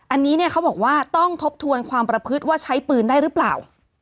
อันนี้เนี่ยเขาบอกว่าต้องทบทวนความประพฤติว่าใช้ปืนได้หรือเปล่า